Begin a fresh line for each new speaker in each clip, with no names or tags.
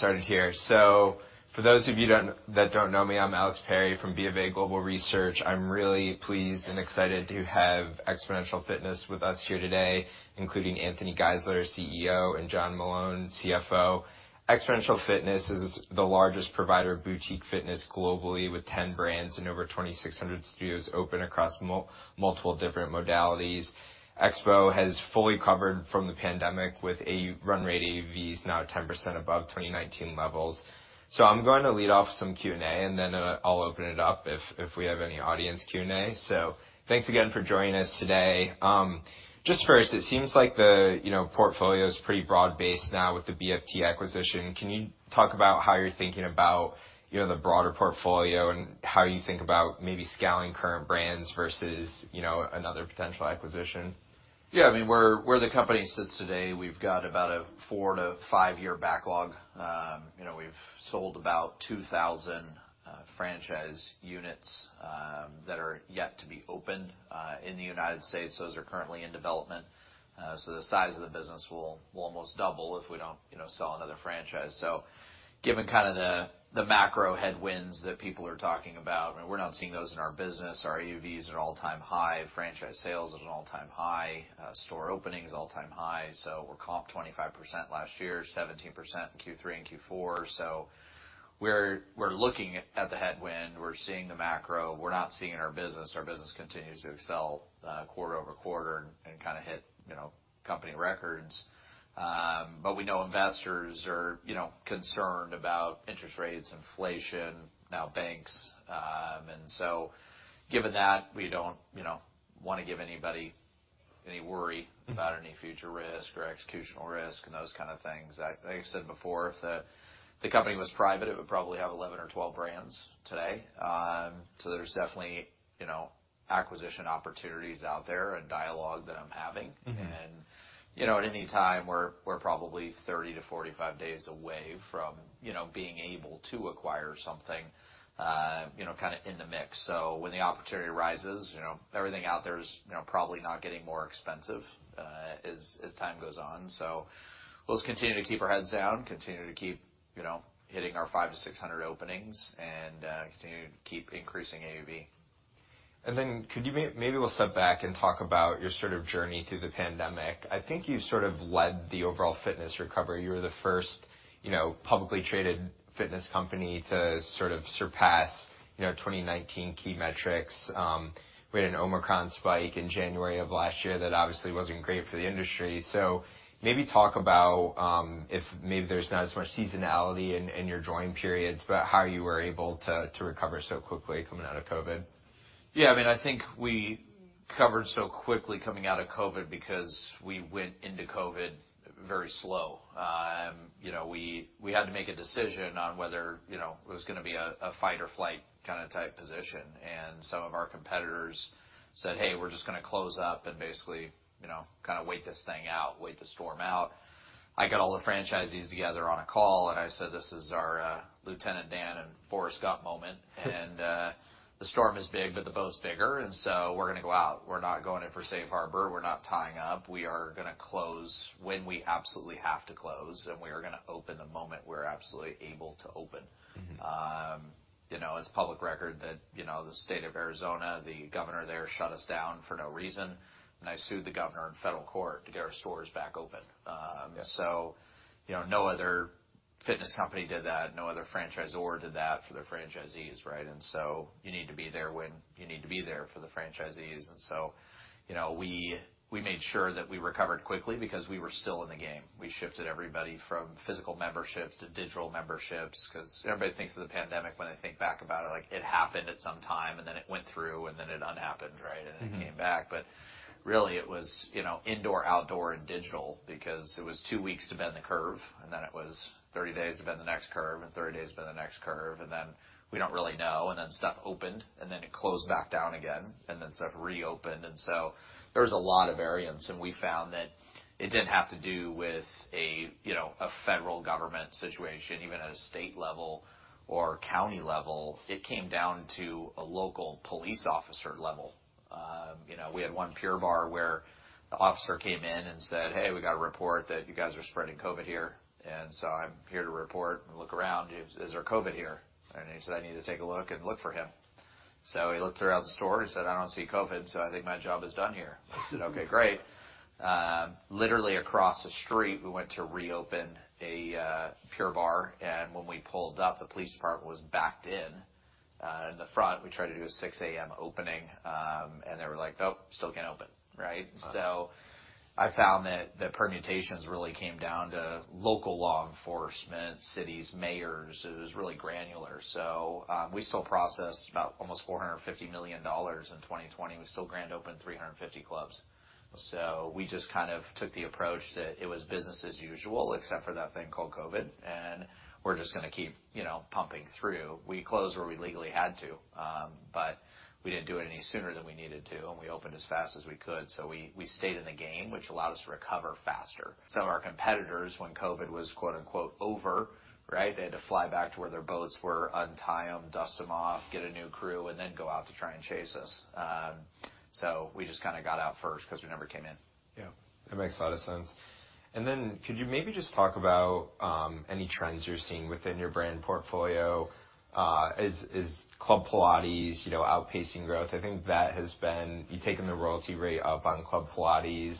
For those of you that don't know me, I'm Alex Perry from BofA Global Research. I'm really pleased and excited to have Xponential Fitness with us here today, including Anthony Geisler, CEO, and John Meloun, CFO. Xponential Fitness is the largest provider of boutique fitness globally with 10 brands and over 2,600 studios open across multiple different modalities. XPO has fully recovered from the pandemic, with a run rate AUVs now 10% above 2019 levels. I'm going to lead off some Q&A, and then I'll open it up if we have any audience Q&A. Thanks again for joining us today. Just first, it seems like the, you know, portfolio is pretty broad-based now with the BFT acquisition. Can you talk about how you're thinking about, you know, the broader portfolio and how you think about maybe scaling current brands versus, you know, another potential acquisition?
Yeah. I mean, where the company sits today, we've got about a four to five-year backlog. You know, we've sold about 2,000 franchise units that are yet to be opened in the United States. Those are currently in development. The size of the business will almost double if we don't, you know, sell another franchise. Given kinda the macro headwinds that people are talking about, and we're not seeing those in our business. Our AUVs are at all-time high. Franchise sales is at an all-time high. Store opening is all-time high. We're comp 25% last year, 17% in Q3 and Q4. We're looking at the headwind, we're seeing the macro. We're not seeing it in our business. Our business continues to excel, quarter-over-quarter and kinda hit, you know, company records. We know investors are, you know, concerned about interest rates, inflation, now banks. Given that, we don't, you know, wanna give anybody any worry.
Mm-hmm.
About any future risk or executional risk and those kind of things. I, like I said before, if the company was private it would probably have 11 or 12 brands today. There's definitely, you know, acquisition opportunities out there and dialogue that I'm having.
Mm-hmm.
You know, at any time, we're probably 30-45 days away from, you know, being able to acquire something, you know, kinda in the mix. When the opportunity arises, you know, everything out there is, you know, probably not getting more expensive, as time goes on. We'll just continue to keep our heads down, continue to keep, you know, hitting our 500-600 openings and continue to keep increasing AUV.
Could you maybe we'll step back and talk about your sort of journey through the pandemic? I think you sort of led the overall fitness recovery. You were the first, you know, publicly traded fitness company to sort of surpass, you know, 2019 key metrics. We had an Omicron spike in January of last year that obviously wasn't great for the industry. Maybe talk about, if maybe there's not as much seasonality in your drawing periods, but how you were able to recover so quickly coming out of COVID?
I mean, I think we recovered so quickly coming out of COVID because we went into COVID very slow, you know, we had to make a decision on whether, you know, it was gonna be a fight or flight kinda type position. Some of our competitors said, "Hey, we're just gonna close up and basically, you know, kinda wait this thing out, wait the storm out." I got all the franchisees together on a call, and I said, "This is our Lieutenant Dan and Forrest Gump moment." "The storm is big, but the boat's bigger and so we're gonna go out. We're not going in for safe harbor. We're not tying up. We are gonna close when we absolutely have to close, and we are gonna open the moment we're absolutely able to open.
Mm-hmm.
You know, it's public record that, you know, the state of Arizona, the governor there shut us down for no reason. I sued the governor in federal court to get our stores back open.
Yeah.
You know, no other fitness company did that. No other franchisor did that for their franchisees, right? You need to be there when you need to be there for the franchisees. You know, we made sure that we recovered quickly because we were still in the game. We shifted everybody from physical memberships to digital memberships 'cause everybody thinks of the pandemic when they think back about it like it happened at some time and then it went through and then it unhappened, right?
Mm-hmm.
It came back. Really it was, you know, indoor, outdoor, and digital because it was two weeks to bend the curve, then it was 30 days to bend the next curve and 30 days to bend the next curve then we don't really know. Stuff opened, then it closed back down again. Stuff reopened. So there was a lot of variance. We found that it didn't have to do with a, you know, a federal government situation, even at a state level or county level. It came down to a local police officer level. You know, we had one Pure Barre where the officer came in and said, "Hey, we got a report that you guys are spreading COVID here, and so I'm here to report." We look around, "Is there COVID here?" He said, "I need to take a look and look for him." He looked throughout the store and said, "I don't see COVID, so I think my job is done here." We said, "Okay, great." Literally across the street, we went to reopen a Pure Barre when we pulled up, the police department was backed in in the front. We tried to do a 6:00 A.M. opening and they were like, "Nope, still can't open." Right?
Wow.
I found that the permutations really came down to local law enforcement, cities, mayors. It was really granular. We still processed about almost $450 million in 2020. We still grand opened 350 clubs. We just kind of took the approach that it was business as usuaal except for that thing called COVID, and we're just gonna keep, you know, pumping through. We closed where we legally had to, but we didn't do it any sooner than we needed to, and we opened as fast as we could. We stayed in the game, which allowed us to recover faster. Some of our competitors when COVID was quote unquote over, right? They had to fly back to where their boats were, untie them, dust them off, get a new crew, and then go out to try and chase us. We just kind of got out first because we never came in.
Yeah, that makes a lot of sense. Could you maybe just talk about any trends you're seeing within your brand portfolio? Is Club Pilates, you know, outpacing growth? You've taken the royalty rate up on Club Pilates.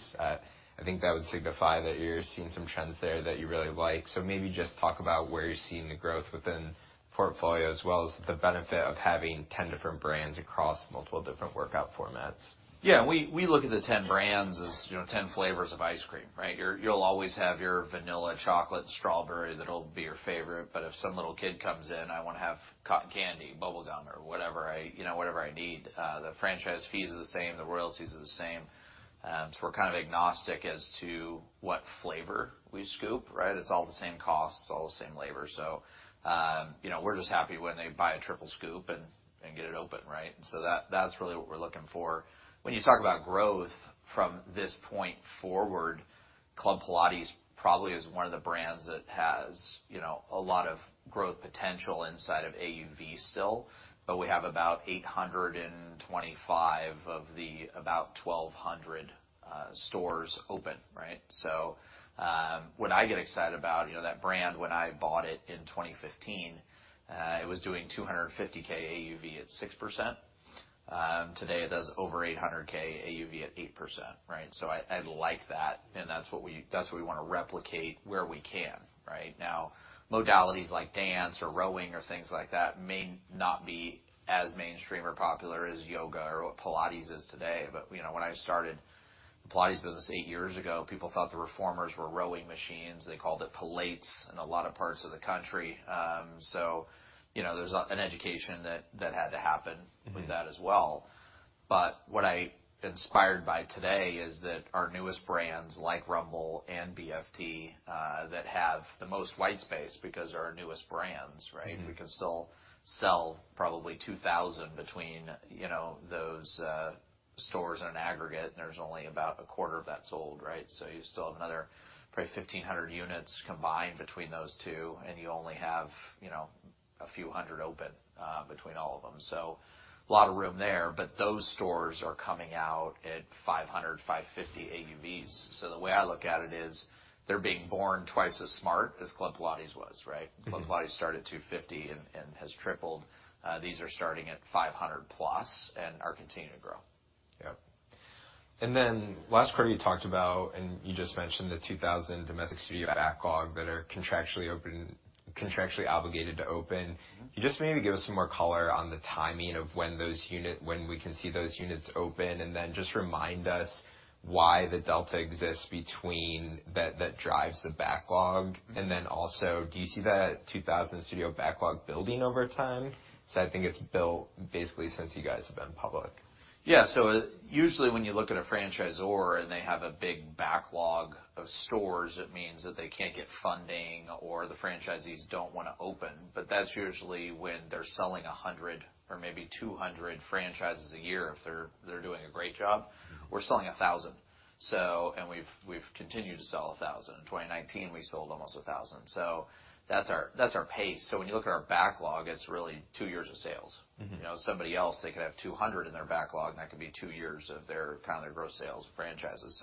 I think that would signify that you're seeing some trends there that you really like. Maybe just talk about where you're seeing the growth within portfolio, as well as the benefit of having 10 different brands across multiple different workout formats.
We look at the 10 brands as, you know, 10 flavors of ice cream, right? You'll always have your vanilla, chocolate, strawberry that'll be your favorite, but if some little kid comes in, I wanna have cotton candy, bubblegum or whatever I, you know, whatever I need. The franchise fees are the same, the royalties are the same. We're kind of agnostic as to what flavor we scoop, right? It's all the same cost, it's all the same labor. We're just happy when they buy a triple scoop and get it open, right? That's really what we're looking for. When you talk about growth from this point forward, Club Pilates probably is one of the brands that has, you know, a lot of growth potential inside of AUV still. We have about 825 of the about 1,200 stores open, right? What I get excited about, you know, that brand, when I bought it in 2015, it was doing $250K AUV at 6%. Today it does over $800K AUV at 8%, right? I like that, and that's what we, that's what we wanna replicate where we can, right? Now, modalities like dance or rowing or things like that may not be as mainstream or popular as yoga or what Pilates is today. You know, when I started the Pilates business eight years ago, people thought the reformers were rowing machines. They called it Pilates in a lot of parts of the country. You know, there's an education that had to happen.
Mm-hmm.
with that as well. Inspired by today is that our newest brands like Rumble and BFT, that have the most white space because they're our newest brands, right?
Mm-hmm.
We can still sell probably 2,000 between, you know, those stores in an aggregate, and there's only about a quarter of that sold, right? You still have another probably 1,500 units combined between those two, and you only have, you know, a few hundred open between all of them. A lot of room there. Those stores are coming out at $500,000-$550,000 AUVs. The way I look at it is they're being born twice as smart as Club Pilates was, right?
Mm-hmm.
Club Pilates started at $250 and has tripled. These are starting at $500+ and are continuing to grow.
Yep. Last quarter you talked about, and you just mentioned the 2,000 domestic studio backlog that are contractually open, contractually obligated to open.
Mm-hmm.
Can you just maybe give us some more color on the timing of when we can see those units open? Then just remind us why the delta exists between that drives the backlog?
Mm-hmm.
Also, do you see that 2,000 studio backlog building over time? 'Cause I think it's built basically since you guys have been public.
Yeah. Usually, when you look at a franchisor and they have a big backlog of stores it means that they can't get funding or the franchisees don't wanna open. That's usually when they're selling 100 or maybe 200 franchises a year if they're doing a great job.
Mm-hmm.
We're selling 1,000. We've continued to sell 1,000. In 2019, we sold almost 1,000. That's our pace. When you look at our backlog, it's really two years of sales.
Mm-hmm.
You know, somebody else, they could have 200 in their backlog, and that could be two years of their, kind of their gross sales franchises.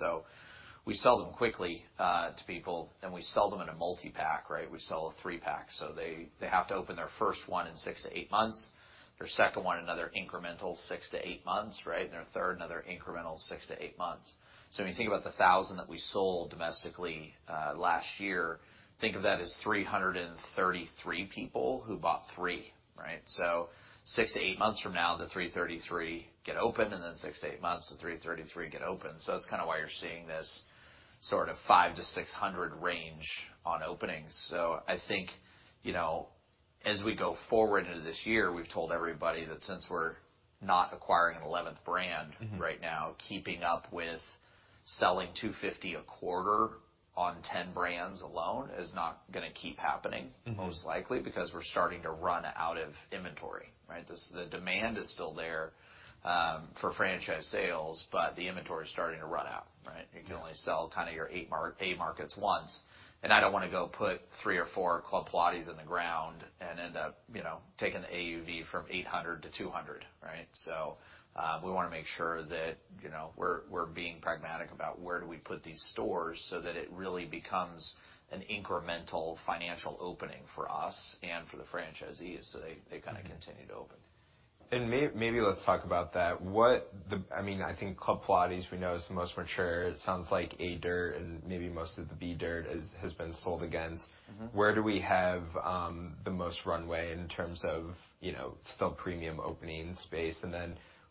We sell them quickly to people, and we sell them in a multi-pack, right? We sell a three-pack. They have to open their first one in six to eight months, their second one another incremental Six to Eight months, right? Their third, another incremental six to eight months. When you think about the 1,000 that we sold domestically last year, think of that as 333 people who bought three, right? Six to 8eight months from now, the 333 get open, six to eight months, the 333 get open. That's kind of why you're seeing this sort of 500 to 600 range on openings. I think, you know, as we go forward into this year, we've told everybody that since we're not acquiring an 11th brand.
Mm-hmm.
right now, keeping up with selling 250 a quarter on 10 brands alone is not gonna keep happening.
Mm-hmm.
most likely, because we're starting to run out of inventory, right? The demand is still there for franchise sales. The inventory is starting to run out, right?
Yeah.
You can only sell kinda your A markets once. I don't wanna go put three or four Club Pilates in the ground and end up, you know, taking the AUV from 800-200, right? We wanna make sure that, you know, we're being pragmatic about where do we put these stores so that it really becomes an incremental financial opening for us and for the franchisees, so they kinda continue to open.
Maybe let's talk about that. I mean, I think Club Pilates we know is the most mature. It sounds like A-tier and maybe most of the B-tier has been sold again.
Mm-hmm.
Where do we have, the most runway in terms of, you know, still premium opening space?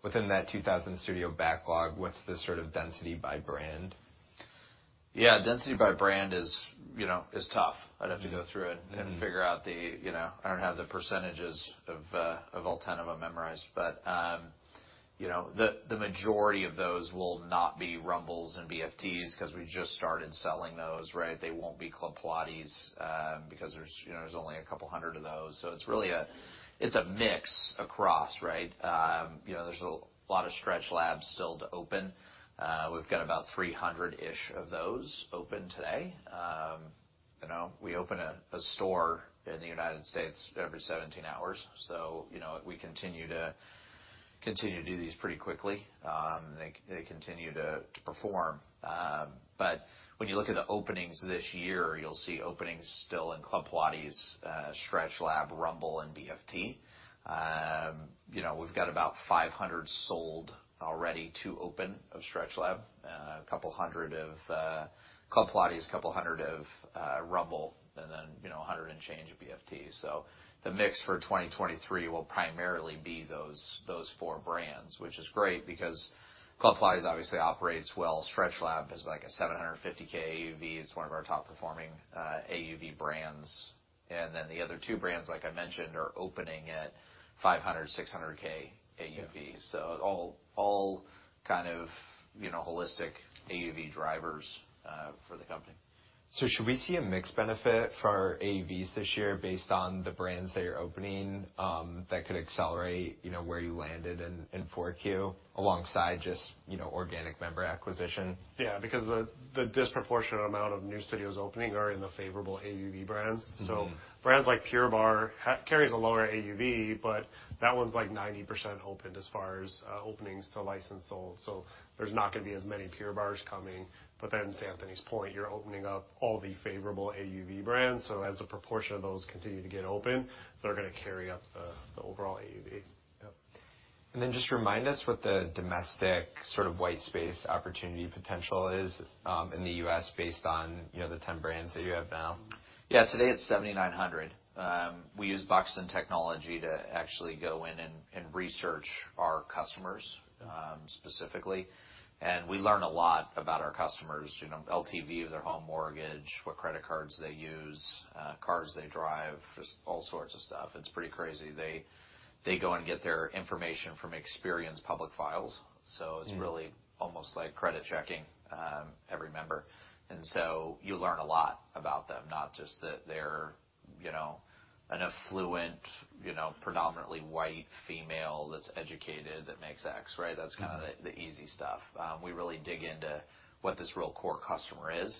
Within that 2,000 studio backlog, what's the sort of density by brand?
Yeah. Density by brand is, you know, is tough.
Mm-hmm.
I'd have to go through it.
Mm-hmm.
You know, I don't have the percentages of all 10 of them memorized. You know, the majority of those will not be Rumbles and BFTs 'cause we just started selling those, right? They won't be Club Pilates, because there's, you know, there's only a couple hundred of those. It's really a mix across, right? You know, there's a lot of StretchLab still to open. We've got about 300-ish of those open today. You know, we open a store in the United States every 17 hours. You know, we continue to do these pretty quickly. They continue to perform. When you look at the openings this year, you'll see openings still in Club Pilates, StretchLab, Rumble, and BFT. You know, we've got about 500 sold already to open of StretchLab, a couple hundred of Club Pilates, couple hundred of Rumble, and then, you know, 100 and change of BFT. The mix for 2023 will primarily be those four brands, which is great because Club Pilates obviously operates well. StretchLab is like a 750K AUV. It's one of our top-performing AUV brands. The other two brands, like I mentioned, are opening at 500K, 600K AUV.
Yeah.
All kind of, you know, holistic AUV drivers for the company.
Should we see a mixed benefit for AUVs this year based on the brands that you're opening, that could accelerate, you know, where you landed in 4Q alongside just, you know, organic member acquisition?
Yeah, because the disproportionate amount of new studios opening are in the favorable AUV brands.
Mm-hmm.
Brands like Pure Barre carries a lower AUV, that one's like 90% opened as far as openings to license sold. There's not gonna be as many Pure Barres coming. To Anthony's point, you're opening up all the favorable AUV brands. As a proportion of those continue to get open, they're gonna carry up the overall AUV.
Yep. Just remind us what the domestic sort of white space opportunity potential is, in the U.S. based on, you know, the 10 brands that you have now.
Yeah. Today it's 7,900. We use Buxton technology to actually go in and research our customers specifically. We learn a lot about our customers, you know, LTV of their home mortgage, what credit cards they use, cars they drive, just all sorts of stuff. It's pretty crazy. They go and get their information from Experian's public files.
Mm.
It's really almost like credit checking, every member. You learn a lot about them, not just that they're, you know, an affluent, you know, predominantly white female that's educated, that makes X, right?
Mm-hmm.
That's kinda the easy stuff. We really dig into what this real core customer is,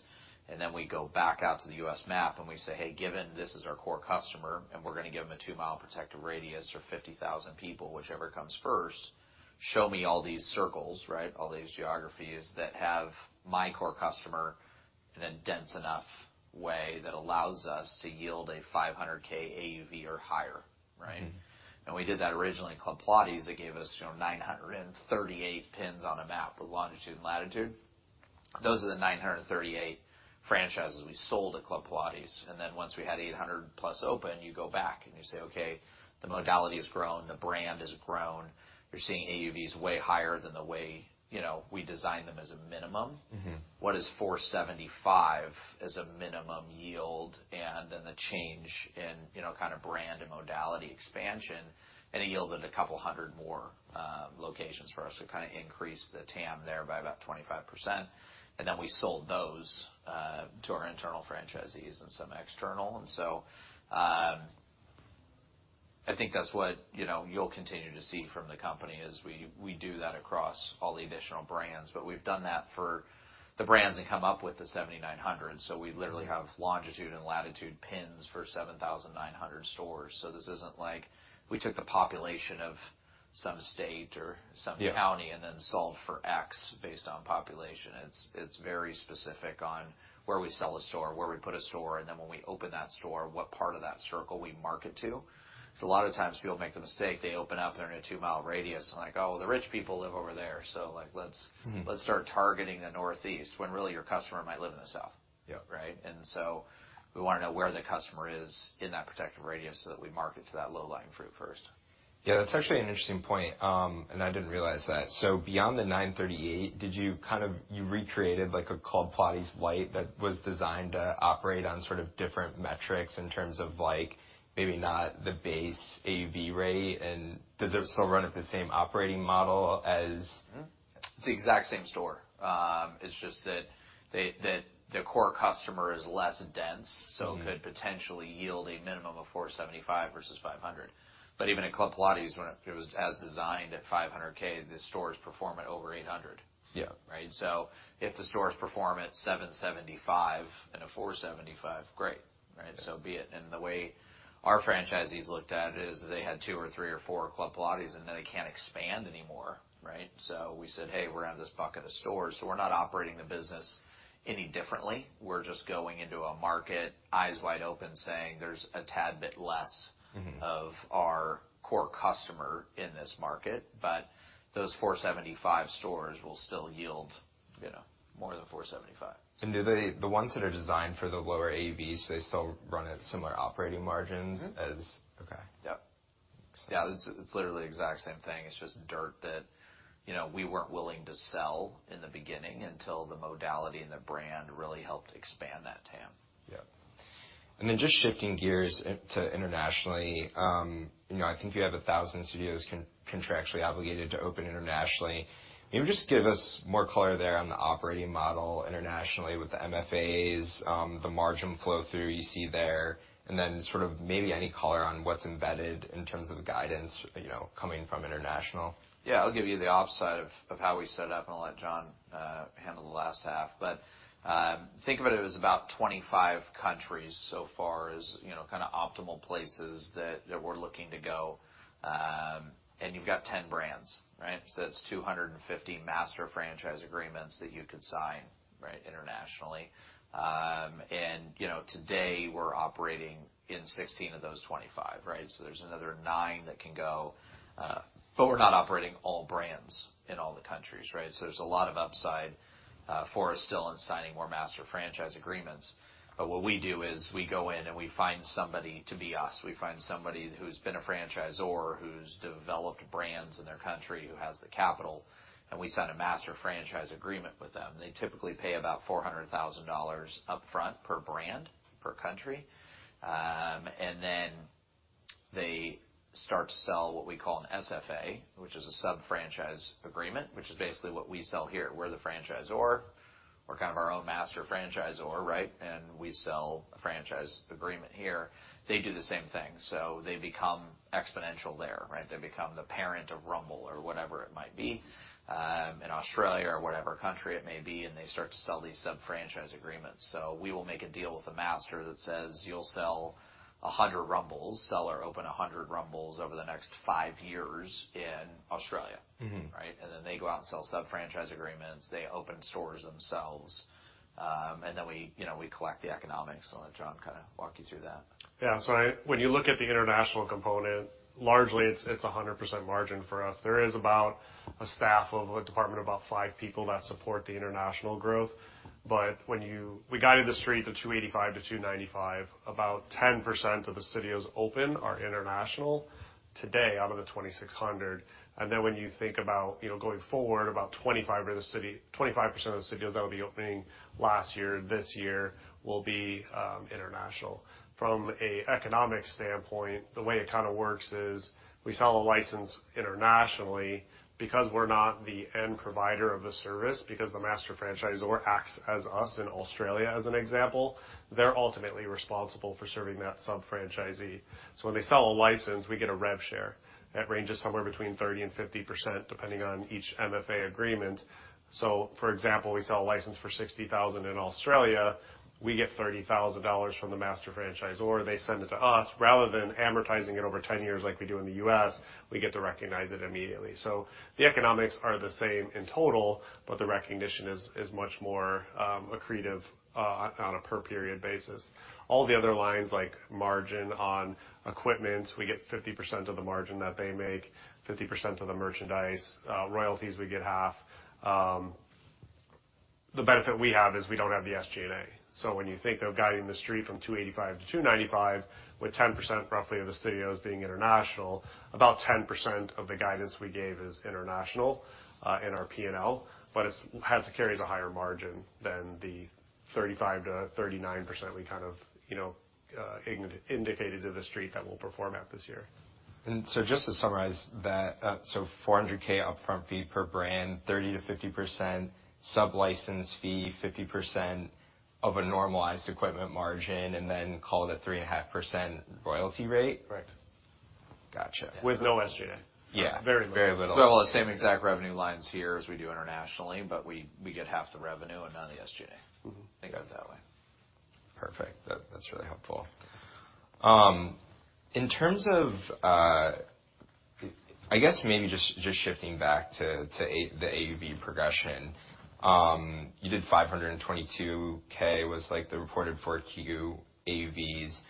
and then we go back out to the U.S. map and we say, "Hey, given this is our core customer, and we're gonna give them a two mile protective radius or 50,000 people, whichever comes first, show me all these circles," right? "All these geographies that have my core customer in a dense enough way that allows us to yield a $500K AUV or higher," right?
Mm.
We did that originally in Club Pilates. It gave us, you know, 938 pins on a map with longitude and latitude. Those are the 938 franchises we sold at Club Pilates. Once we had 800+ open, you go back and you say, "Okay, the modality has grown, the brand has grown. You're seeing AUVs way higher than the way, you know, we designed them as a minimum.
Mm-hmm.
What is 475 as a minimum yield? The change in, you know, kind of brand and modality expansion, and it yielded 200 more locations for us. It kinda increased the TAM there by about 25%. We sold those to our internal franchisees and some external. I think that's what, you know, you'll continue to see from the company as we do that across all the additional brands. We've done that for the brands that come up with the 7,900. We literally have longitude and latitude pins for 7,900 stores. This isn't like we took the population of some state or some.
Yeah
County and then solved for X based on population. It's very specific on where we sell a store, where we put a store, and then when we open that store, what part of that circle we market to. A lot of times people make the mistake, they open up, they're in a 2-mile radius. They're like, "Oh, the rich people live over there, so, like, let's.
Mm-hmm
Let's start targeting the Northeast," when really your customer might live in the South.
Yeah.
Right? We wanna know where the customer is in that protective radius so that we market to that low-lying fruit first.
Yeah, that's actually an interesting point, and I didn't realize that. Beyond the 938, did you recreate like a Club Pilates Lite that was designed to operate on sort of different metrics in terms of like maybe not the base AUV rate? Does it still run at the same operating model as.
It's the exact same store. It's just that the core customer is less dense.
Mm-hmm
Could potentially yield a minimum of $475 versus $500. Even at Club Pilates, when it was as designed at $500K, the stores perform at over $800.
Yeah.
Right? If the stores perform at $775 in a $475, great, right?
Yeah.
Be it. The way our franchisees looked at it is they had two or three or four Club Pilates, and then they can't expand anymore, right? We said, "Hey, we're gonna have this bucket of stores." We're not operating the business any differently. We're just going into a market, eyes wide open, saying there's a tad bit less.
Mm-hmm
Of our core customer in this market. Those 475 stores will still yield, you know, more than 475.
The ones that are designed for the lower AUVs, do they still run at similar operating margins as...
Mm-hmm.
Okay.
Yep. Yeah, it's literally the exact same thing. It's just dirt, you know, we weren't willing to sell in the beginning until the modality and the brand really helped expand that TAM.
Yep. Then just shifting gears to internationally, you know, I think you have 1,000 studios contractually obligated to open internationally. Maybe just give us more color there on the operating model internationally with the MFAs, the margin flow through you see there, and then sort of maybe any color on what's embedded in terms of the guidance, you know, coming from international.
Yeah. I'll give you the op side of how we set up, and I'll let John handle the last half. Think of it as about 25 countries so far as, you know, kinda optimal places that we're looking to go. You've got 10 brands, right? That's 250 master franchise agreements that you could sign, right, internationally. You know, today, we're operating in 16 of those 25, right? There's another nine that can go. We're not operating all brands in all the countries, right? There's a lot of upside, for us still in signing more master franchise agreements. What we do is we go in and we find somebody to be us. We find somebody who's been a franchisor, who's developed brands in their country, who has the capital, and we sign a master franchise agreement with them. They typically pay about $400,000 upfront per brand, per country. They start to sell what we call an SFA, which is a sub-franchise agreement, which is basically what we sell here. We're the franchisor. We're kind of our own master franchisor, right? We sell a franchise agreement here. They do the same thing, so they become Xponential there, right? They become the parent of Rumble or whatever it might be in Australia or whatever country it may be, and they start to sell these sub-franchise agreements. We will make a deal with a master that says, "You'll sell 100 Rumbles. Sell or open 100 Rumbles over the next five years in Australia.
Mm-hmm.
Right? And then they go out and sell sub-franchise agreements. They open stores themselves. We, you know, we collect the economics. I'll let John kinda walk you through that.
When you look at the international component, largely it's 100% margin for us. There is about a department of about five people that support the international growth. We guided the street to 285-295. About 10% of the studios open are international today out of the 2,600. When you think about, you know, going forward, about 25% of the studios that'll be opening last year, this year, will be international. From an economic standpoint, the way it kinda works is we sell a license internationally. We're not the end provider of the service, because the master franchisor acts as us in Australia as an example, they're ultimately responsible for serving that sub-franchisee. When they sell a license, we get a rev share. That ranges somewhere between 30% and 50%, depending on each MFA agreement. For example, we sell a license for 60,000 in Australia, we get $30,000 from the master franchisor. They send it to us. Rather than amortizing it over 10 years like we do in the U.S., we get to recognize it immediately. The economics are the same in total, but the recognition is much more accretive on a per-period basis. All the other lines like margin on equipment, we get 50% of the margin that they make, 50% of the merchandise. Royalties, we get half. The benefit we have is we don't have the SG&A. When you think of guiding the street from 285-295 with 10% roughly of the studios being international about 10% of the guidance we gave is international in our P&L, but it's carries a higher margin than the 35%-39% we kind of, you know, indicated to the street that we'll perform at this year.
Just to summarize that, so $400K upfront fee per brand, 30%-50% sub-license fee, 50% of a normalized equipment margin, and then call it a 3.5% royalty rate?
Correct.
Gotcha.
With no SG&A.
Yeah.
Very little.
Very little.
All the same exact revenue lines here as we do internationally, but we get half the revenue and none of the SG&A.
Mm-hmm.
Think of it that way.
Perfect. That's really helpful. In terms of, I guess maybe just shifting back to the AUV progression, you did $522K was, like, the reported for Q AUVs.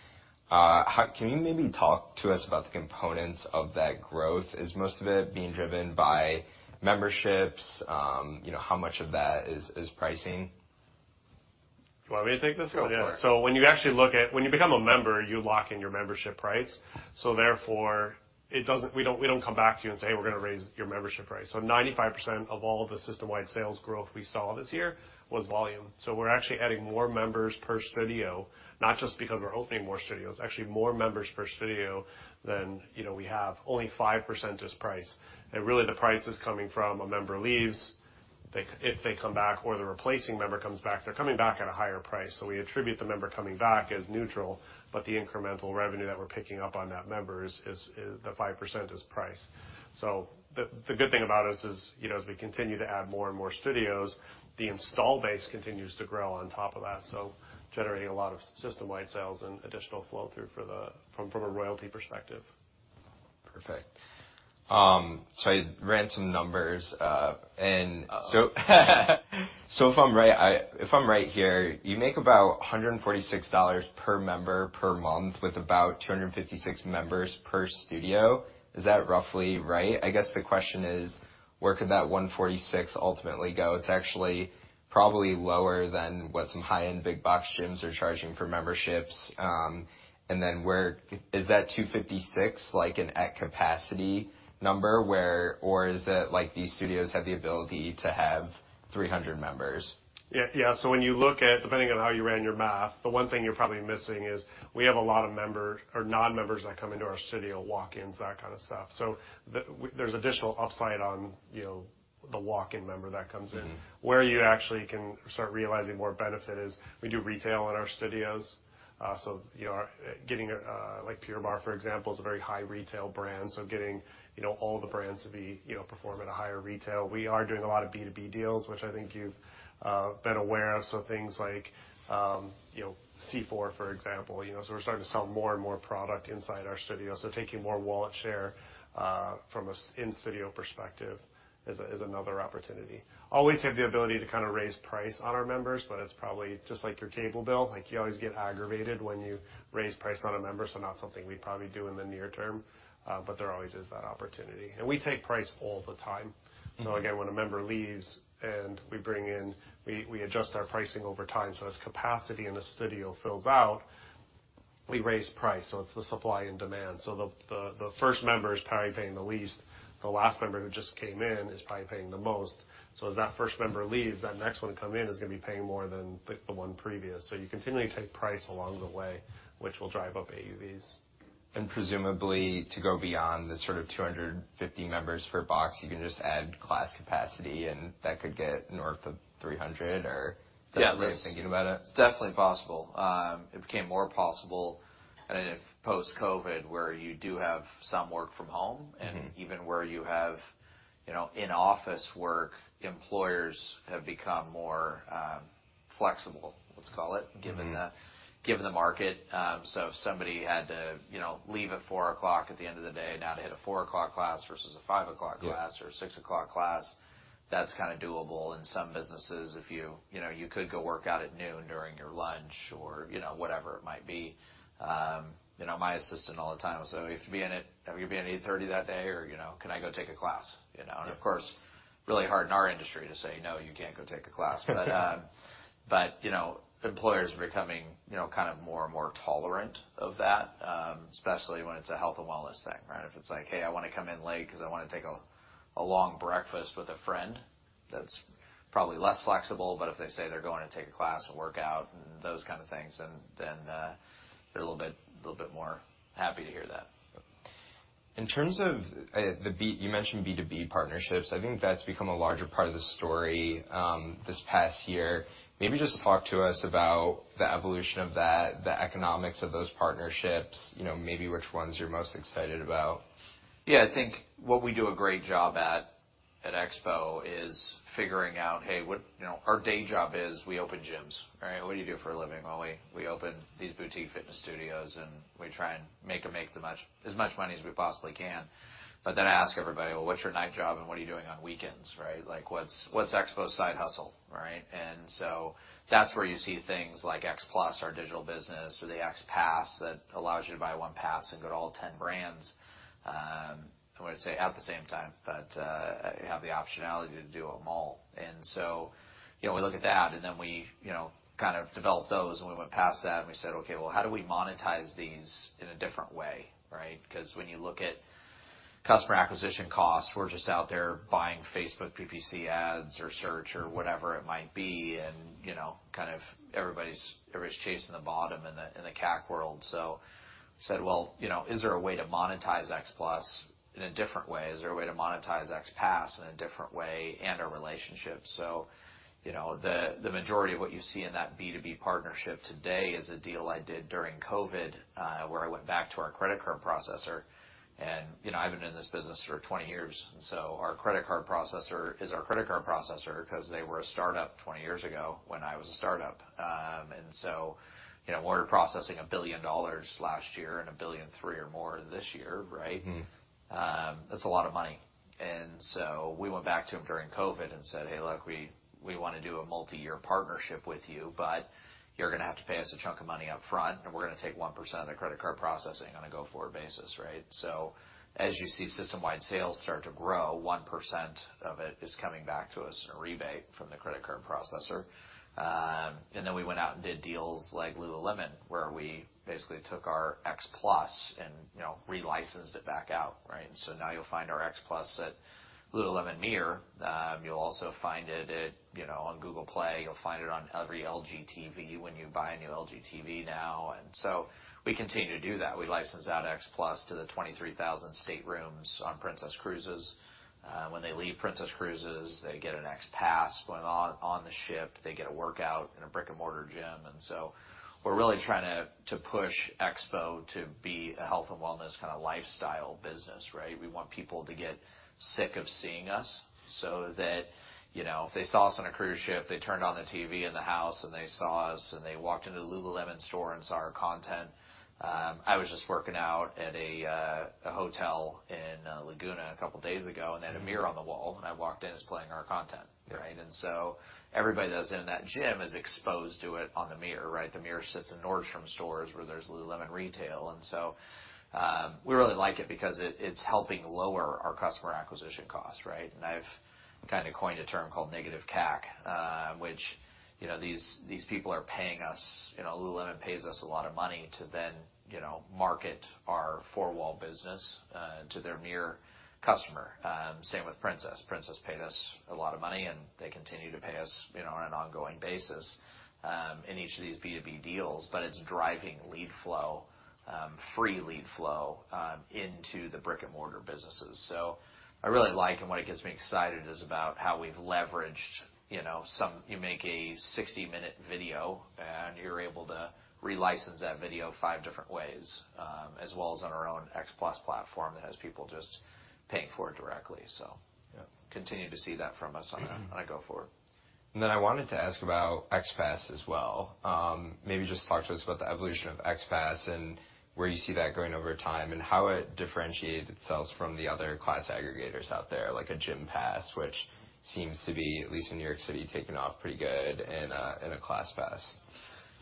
How can you maybe talk to us about the components of that growth? Is most of it being driven by memberships? You know, how much of that is pricing?
You want me to take this?
Go for it.
When you actually look at. When you become a member, you lock in your membership price. Therefore, it doesn't. We don't come back to you and say, "We're gonna raise your membership price." 95% of all the system-wide sales growth we saw this year was volume. We're actually adding more members per studio, not just because we're opening more studios, actually more members per studio than, you know, we have. Only 5% is price. Really the price is coming from a member leaves. They. If they come back or the replacing member comes back, they're coming back at a higher price. We attribute the member coming back as neutral, but the incremental revenue that we're picking up on that member is. The 5% is price. The good thing about us is, you know, as we continue to add more and more studios, the install base continues to grow on top of that, generating a lot of system-wide sales and additional flow through from a royalty perspective.
Perfect. I ran some numbers. If I'm right here, you make about $146 per member per month with about 256 members per studio. Is that roughly right? I guess the question is where could that $146 ultimately go? It's actually probably lower than what some high-end big box gyms are charging for memberships. Then where is that 256 like an at capacity number or is it like these studios have the ability to have 300 members?
Yeah. Yeah. When you look at depending on how you ran your math, the one thing you're probably missing is we have a lot of member or non-members that come into our studio, walk-ins, that kind of stuff. There's additional upside on, you know, the walk-in member that comes in.
Mm-hmm.
Where you actually can start realizing more benefit is we do retail in our studios. You know, getting, like Pure Barre, for example, is a very high retail brand. Getting, you know, all the brands to be, you know, perform at a higher retail. We are doing a lot of B2B deals which I think you've been aware of. Things like, you know, C4, for example, you know. We're starting to sell more and more product inside our studios. Taking more wallet share, from an in studio perspective is another opportunity. Always have the ability to kind of raise price on our members but it's probably just like your cable bill. Like, you always get aggravated when you raise price on a member, so not something we probably do in the near term, but there always is that opportunity. We take price all the time.
Mm-hmm.
Again, when a member leaves, we adjust our pricing over time. As capacity in the studio fills out, we raise price. It's the supply and demand. The first member is probably paying the least. The last member who just came in is probably paying the most. As that first member leaves, that next one to come in is gonna be paying more than the one previous. You continually take price along the way, which will drive up AUVs.
Presumably to go beyond the sort of 250 members per box, you can just add class capacity, and that could get north of 300.
Yeah.
is that the way of thinking about it? It's definitely possible. It became more possible and then post-COVID, where you do have some work from home.
Mm-hmm.
Even where you have, you know, in-office work, employers have become more flexible, let's call it.
Mm-hmm.
Given the market. If somebody had to, you know, leave at 4:00 P.M. at the end of the day now to hit a 4:00 P.M. class versus a 5:00 P.M. class.
Yeah.
Or a 6:00 class, that's kinda doable. In some businesses You know, you could go work out at noon during your lunch or, you know, whatever it might be. You know, my assistant all the time will say, "We have to be in at 8:30 that day or, you know, can I go take a class?" You know.
Yeah.
Of course, really hard in our industry to say, "No, you can't go take a class." You know, employers are becoming, you know, kind of more and more tolerant of that, especially when it's a health and wellness thing, right? If it's like, "Hey, I wanna come in late 'cause I wanna take a long breakfast with a friend," that's probably less flexible. If they say they're going to take a class, a workout and those kind of things, then, they're a little bit more happy to hear that.
In terms of, you mentioned B2B partnerships. I think that's become a larger part of the story, this past year. Maybe just talk to us about the evolution of that, the economics of those partnerships, you know, maybe which ones you're most excited about. I think what we do a great job at XPO is figuring out, hey, you know, our day job is we open gyms, right? What do you do for a living? Well, we open these boutique fitness studios, and we try and make as much money as we possibly can. I ask everybody, "Well, what's your night job and what are you doing on weekends?" Right? Like, what's XPO's side hustle, right? That's where you see things like XPLUS, our digital business or the XPASS that allows you to buy ONE pass and go to all 10 brands, I wouldn't say at the same time but you have the optionality to do them all. You know, we look at that, and then we, you know, kind of develop those and we went past that and we said, "Okay, well, how do we monetize these in a different way?" Right? 'Cause when you look at customer acquisition costs, we're just out there buying Facebook PPC ads or search or whatever it might be and, you know, kind of everybody's chasing the bottom in the CAC world. We said, "Well, you know, is there a way to monetize XPLUS in a different way? Is there a way to monetize XPASS in a different way and our relationships? You know, the majority of what you see in that B2B partnership today is a deal I did during COVID where I went back to our credit card processor, and, you know, I've been in this business for 20 years, and so our credit card processor is our credit card processor ’cause they were a startup 20 years ago when I was a startup. You know, we're processing $1 billion last year and $1.3 billion or more this year, right?
Mm-hmm.
That's a lot of money. We went back to them during COVID and said, "Hey, look, we wanna do a multi-year partnership with you, but you're gonna have to pay us a chunk of money up front, and we're gonna take 1% of the credit card processing on a go-forward basis," right? As you see system-wide sales start to grow, 1% of it is coming back to us in a rebate from the credit card processor. We went out and did deals like lululemon, where we basically took our XPLUS and, you know, relicensed it back out, right? Now you'll find our XPLUS at lululemon MIRROR. You'll also find it at, you know, on Google Play. You'll find it on every LG TV when you buy a new LG TV now. We continue to do that. We license out XPLUS to the 23,000 staterooms on Princess Cruises. When they leave Princess Cruises, they get an XPASS. When on the ship, they get a workout in a brick-and-mortar gym. So we're really trying to push XPO to be a health and wellness kinda lifestyle business, right? We want people to get sick of seeing us so that, you know, if they saw us on a cruise ship, they turned on the TV in the house and they saw us, and they walked into the lululemon store and saw our content. I was just working out at a hotel in Laguna a couple days ago, and they had a MIRROR on the wall. When I walked in, it's playing our content, right? Everybody that was in that gym is exposed to it on the MIRROR, right? The MIRROR sits in Nordstrom stores where there's lululemon retail. We really like it because it's helping lower our customer acquisition cost, right? I've kinda coined a term called negative CAC which, you know, these people are paying us. You know, lululemon pays us a lot of money to then, you know, market our four-wall business to their MIRROR customer. Same with Princess. Princess paid us a lot of money, and they continue to pay us, you know, on an ongoing basis in each of these B2B deals, but it's driving lead flow, free lead flow into the brick-and-mortar businesses. I really like, and what it gets me excited is about how we've leveraged, you know, some. You make a 60-minute video, you're able to relicense that video FIVE different ways, as well as on our own XPLUS platform that has people just paying for it directly.
Yeah.
Continue to see that from us on.
Mm-hmm.
on a go forward.
I wanted to ask about XPASS as well. Maybe just talk to us about the evolution of XPASS and where you see that going over time and how it differentiated itself from the other class aggregators out there, like a Wellhub, which seems to be, at least in New York City, taking off pretty good, and a ClassPass.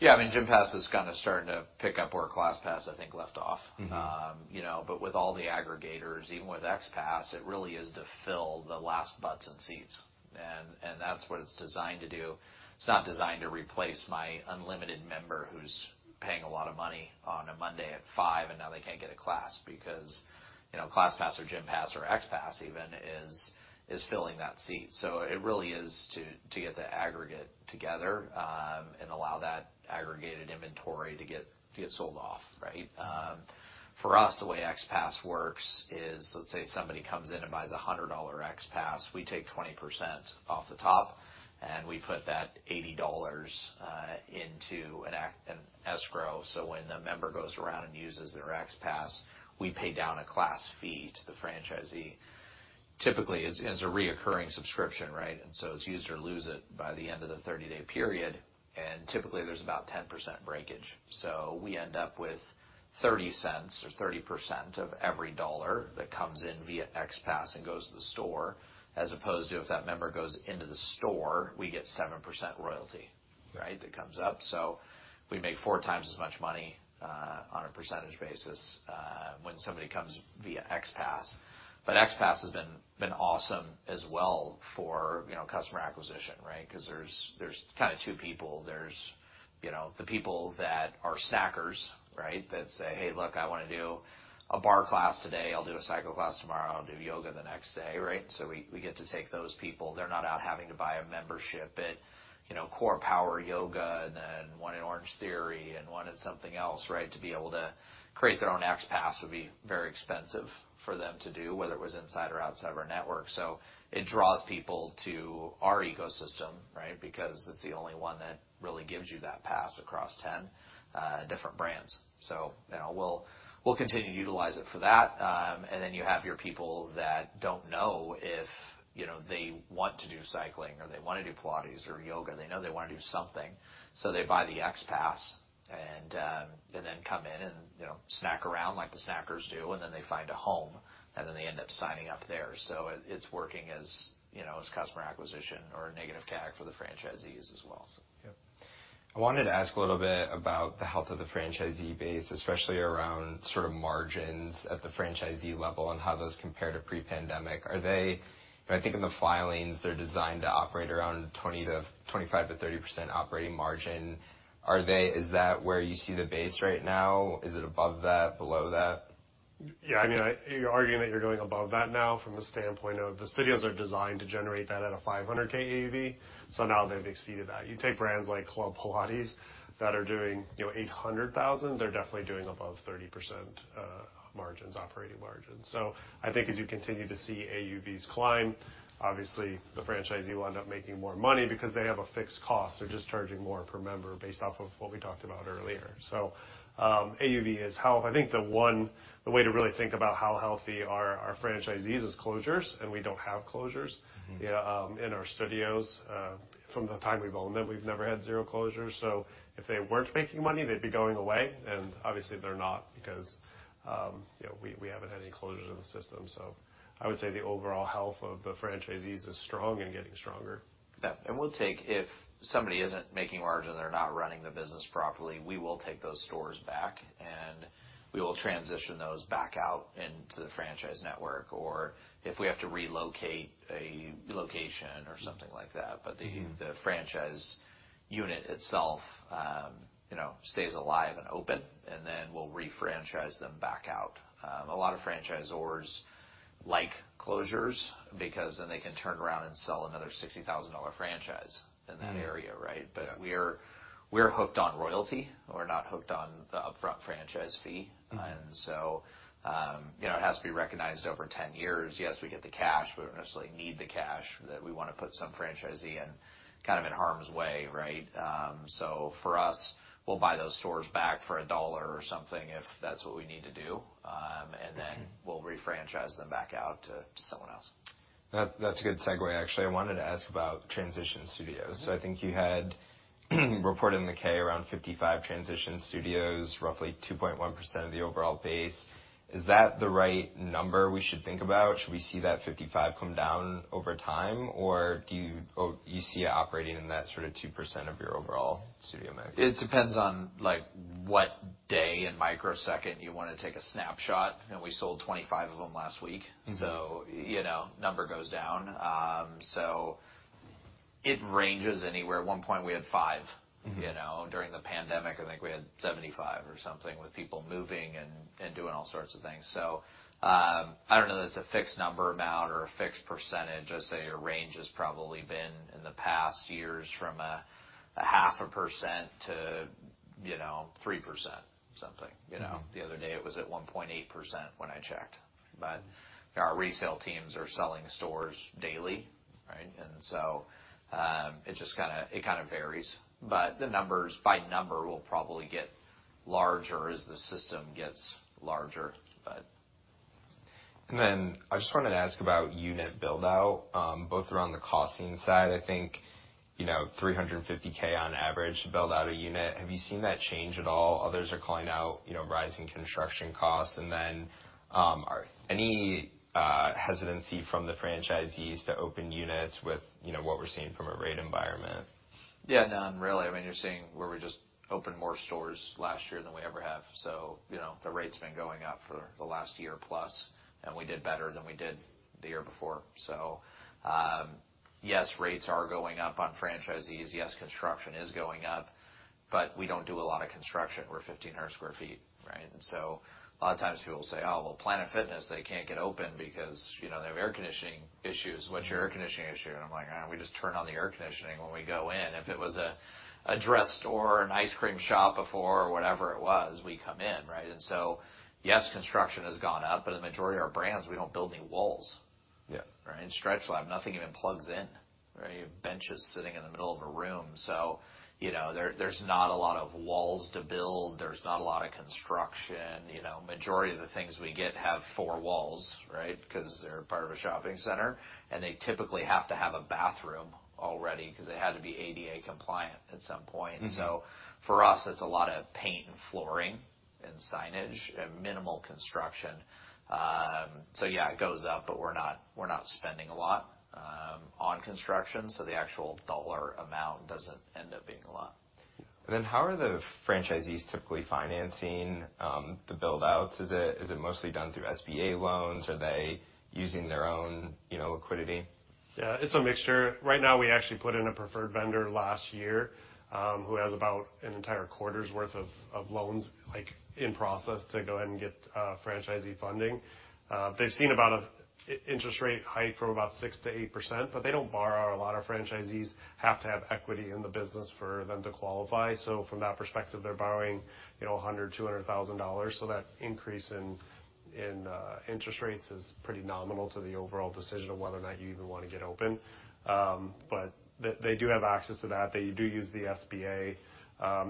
Yeah. I mean, Wellhub is kinda starting to pick up where ClassPass, I think, left off.
Mm-hmm.
You know, with all the aggregators, even with XPASS, it really is to fill the last butts in seats. That's what it's designed to do. It's not designed to replace my unlimited member who's paying a lot of money on a Monday at 5:00, and now they can't get a class because, you know, ClassPass or Gympass or XPASS even is filling that seat. It really is to get the aggregate together, and allow that aggregated inventory to get sold off, right? For us, the way XPASS works is, let's say, somebody comes in and buys a $100 XPASS. We take 20% off the top, and we put that $80 into an. an escrow, so when the member goes around and uses their XPASS we pay down a class fee to the franchisee. Typically, it's a recurring subscription, right? It's use or lose it by the end of the 30-day period. Typically, there's about 10% breakage. We end up with $0.30 or 30% of every dollar that comes in via XPASS and goes to the store, as opposed to if that member goes into the store, we get 7% royalty, right? That comes up. We make four times as much money on a percentage basis when somebody comes via XPASS. XPASS has been awesome as well for, you know, customer acquisition, right? 'Cause there's kinda two people there's, you know, the people that are snackers, right? That say, "Hey, look, I wanna do a barre class today. I'll do a cycle class tomorrow. I'll do yoga the next day," right? We get to take those people. They're not out having to buy a membership at, you know, CorePower Yoga and then one in Orangetheory Fitness and one in something else, right? To be able to create their own XPASS would be very expensive for them to do, whether it was inside or outside of our network. It draws people to our ecosystem, right? Because it's the only one that really gives you that pass across 10 different brands. You know, we'll continue to utilize it for that. You have your people that don't know if, you know, they want to do cycling or they wanna do Pilates or yoga. They know they wanna do something, so they buy the XPASS and then come in and, you know, snack around like the snackers do, and then they find a home, and then they end up signing up there. It's working as, you know, as customer acquisition or a negative CAC for the franchisees as well, so.
Yep. I wanted to ask a little bit about the health of the franchisee base, especially around sort of margins at the franchisee level and how those compare to pre-pandemic. I think in the filings, they're designed to operate around 25%-30% operating margin. Is that where you see the base right now? Is it above that, below that?
Yeah, I mean, you're arguing that you're going above that now from the standpoint of the studios are designed to generate that at a 500K AUV. Now they've exceeded that. You take brands like Club Pilates that are doing, you know, $800,000, they're definitely doing above 30% margins, operating margins. I think as you continue to see AUVs climb, obviously, the franchisee will end up making more money because they have a fixed cost. They're just charging more per member based off of what we talked about earlier. AUV is health. I think the way to really think about how healthy our franchisees is closures. We don't have closures.
Mm-hmm.
In our studios. From the time we've owned them, we've never had zero closures. If they weren't making money, they'd be going away, and obviously they're not because, you know, we haven't had any closures in the system. I would say the overall health of the franchisees is strong and getting stronger.
Yeah. If somebody isn't making margin they're not running the business properly, we will take those stores back, and we will transition those back out into the franchise network. If we have to relocate a location or something like that.
Mm-hmm.
The franchise unit itself, you know, stays alive and open and then we'll re-franchise them back out. A lot of franchisors like closures because then they can turn around and sell another $60,000 franchise in that area, right?
Yeah.
We're hooked on royalty. We're not hooked on the upfront franchise fee.
Mm-hmm.
you know, it has to be recognized over 10 years. Yes, we get the cash, we don't necessarily need the cash that we wanna put some franchisee in, kind of in harm's way, right? For us, we'll buy those stores back for $1 or something if that's what we need to do.
Mm-hmm.
We'll re-franchise them back out to someone else.
That's a good segue. Actually, I wanted to ask about Transition Studios. I think you had reported in the K around 55 Transition Studios, roughly 2.1% of the overall base. Is that the right number we should think about? Should we see that 55 come down over time, or you see it operating in that sort of 2% of your overall studio mix?
It depends on, like, what day and microsecond you wanna take a snapshot. You know, we sold 25 of them last week.
Mm-hmm.
You know, number goes down. It ranges anywhere. At one point, we had five.
Mm-hmm.
You know, during the pandemic, I think we had 75 or something, with people moving and doing all sorts of things. I don't know that it's a fixed number amount or a fixed percentage. I'd say our range has probably been, in the past years, from a 0.5% to, you know, 3% something. You know?
Mm-hmm.
The other day it was at 1.8% when I checked. Our resale teams are selling stores daily, right? It kind of varies. The numbers, by number, will probably get larger as the system gets larger.
I just wanted to ask about unit build-out, both around the costing side, I think, you know, $350,000 on average to build out a unit. Have you seen that change at all? Others are calling out, you know, rising construction costs. Are any hesitancy from the franchisees to open units with, you know, what we're seeing from a rate environment?
None, really. I mean, you're seeing where we just opened more stores last year than we ever have. You know, the rate's been going up for the last year plus, we did better than we did the year before. Yes, rates are going up on franchisees. Yes, construction is going up. We don't do a lot of construction. We're 1,500 sq ft, right? A lot of times people say, "Oh, well, Planet Fitness, they can't get open because, you know, they have air conditioning issues. What's your air conditioning issue?" I'm like, "We just turn on the air conditioning when we go in." If it was a dress store or an ice cream shop before or whatever it was, we come in, right? Yes, construction has gone up, but the majority of our brands, we don't build any walls.
Yeah.
Right? In StretchLab, nothing even plugs in. Right? You have benches sitting in the middle of a room. You know, there's not a lot of walls to build. There's not a lot of construction. You know, majority of the things we get have four walls, right? 'Cause they're part of a shopping center. They typically have to have a bathroom already 'cause they had to be ADA compliant at some point.
Mm-hmm.
For us, it's a lot of paint and flooring and signage.
Mm-hmm.
Minimal construction. Yeah, it goes up, but we're not spending a lot on construction, so the actual dollar amount doesn't end up being a lot.
How are the franchisees typically financing the build-outs? Is it mostly done through SBA loans? Are they using their own, you know, liquidity?
It's a mixture. Right now we actually put in a preferred vendor last year, who has about an entire quarter's worth of loans, like, in process to go ahead and get franchisee funding. They've seen about an interest rate hike from about 6%-8%, but they don't borrow. A lot of franchisees have to have equity in the business for them to qualify. From that perspective, they're borrowing, you know, $100,000-$200,000, so that increase in interest rates is pretty nominal to the overall decision of whether or not you even wanna get open. They do have access to that. They do use the SBA.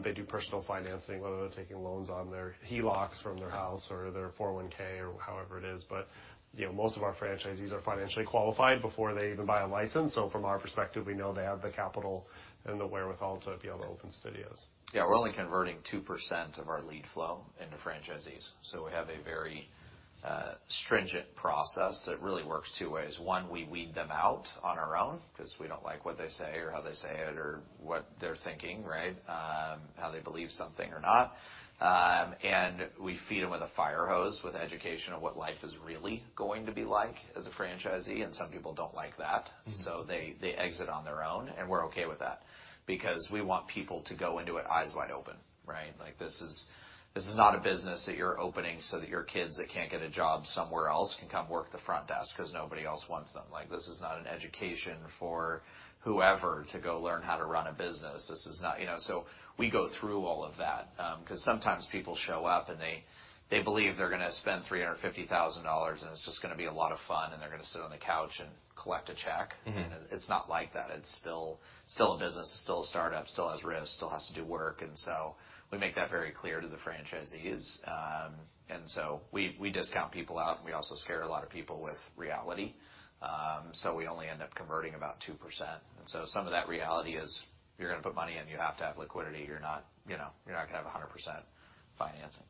They do personal financing whether they're taking loans on their HELOCs from their house or their 401(k) or however it is. You know, most of our franchisees are financially qualified before they even buy a license. From our perspective, we know they have the capital and the wherewithal to be able to open studios.
Yeah. We're only converting 2% of our lead flow into franchisees, so we have a very stringent process. It really works two ways. One, we weed them out on our own, 'cause we don't like what they say or how they say it or what they're thinking, right? How they believe something or not. We feed them with a fire hose, with education of what life is really going to be like as a franchisee, and some people don't like that.
Mm-hmm.
They exit on their own, and we're okay with that, because we want people to go into it eyes wide open, right? Like this is not a business that you're opening so that your kids that can't get a job somewhere else can come work the front desk 'cause nobody else wants them. Like this is not an education for whoever to go learn how to run a business. This is not. You know? We go through all of that 'cause sometimes people show up and they believe they're gonna spend $350,000 and it's just gonna be a lot of fun, and they're gonna sit on the couch and collect a check.
Mm-hmm.
It's not like that. It's still a business, still a startup, still has risk, still has to do work. We make that very clear to the franchisees. So we discount people out and we also scare a lot of people with reality. So we only end up converting about 2%. Some of that reality is you're gonna put money in, you have to have liquidity. You're not, you know, you're not gonna have 100% financing.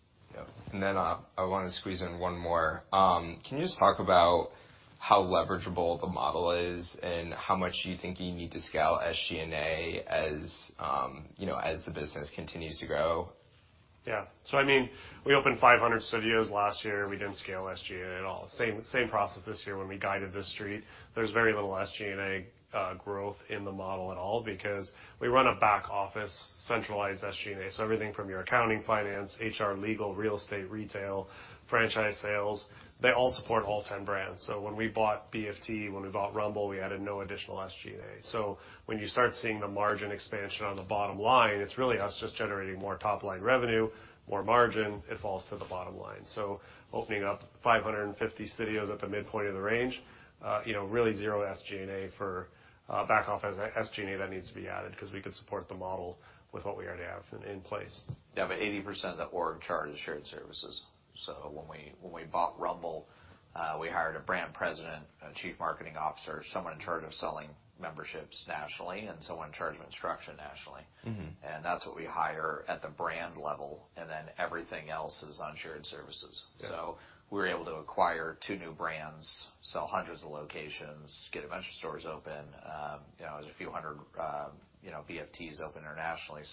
Yep. I wanna squeeze in one more. Can you just talk about how leverageable the model is and how much you think you need to scale SG&A as, you know, as the business continues to grow?
Yeah. I mean, we opened 500 studios last year. We didn't scale SG&A at all. Same process this year when we guided this street. There's very little SG&A growth in the model at all because we run a back office, centralized SG&A. Everything from your accounting, finance, HR, legal, real estate, retail, franchise sales, they all support all 10 brands. When we bought BFT when we bought Rumble, we added no additional SG&A. When you start seeing the margin expansion on the bottom line, it's really us just generating more top-line revenue, more margin, it falls to the bottom line. Opening up 550 studios at the midpoint of the range, you know, really zero SG&A for back office SG&A that needs to be added, 'cause we could support the model with what we already have in place.
Yeah. Eighty percent of the org chart is shared services. When we bought Rumble, we hired a brand president, a chief marketing officer, someone in charge of selling memberships nationally and someone in charge of instruction nationally.
Mm-hmm.
That's what we hire at the brand level, and then everything else is on shared services.
Yeah.
We were able to acquire two new brands, sell hundreds of locations, get a bunch of stores open. You know, there's a few hundred, you know, BFTs open internationally.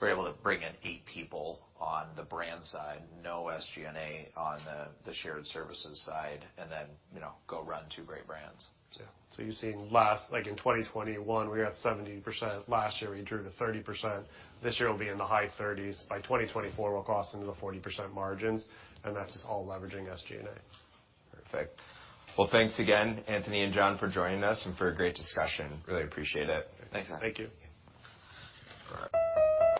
We're able to bring in eight people on the brand side, no SG&A on the shared services side, and then, you know, go run two great brands.
Yeah. you're seeing less like in 2021 we were at 70%. Last year we improved to 30%. This year we'll be in the high thirties. By 2024 we'll cross into the 40% margins, that's just all leveraging SG&A.
Perfect. Well, thanks again, Anthony and John, for joining us and for a great discussion. Really appreciate it.
Thanks.
Thank you.
All right.